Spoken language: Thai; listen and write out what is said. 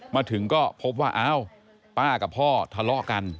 มาถึงก็พบว่าอ้าวป้ากับพ่อทะเลาะกัน